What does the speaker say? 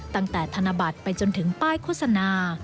ธนบัตรไปจนถึงป้ายโฆษณา